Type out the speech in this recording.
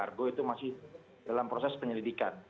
argo itu masih dalam proses penyelidikan